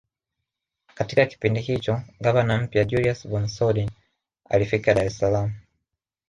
Katika kipindi hicho gavana mpya Julius von Soden alifika Dar es salaam